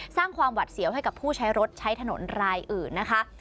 สร้างความหวัดเสียวให้กับผู้ใช้รถใช้ถนนรายอื่นนะคะ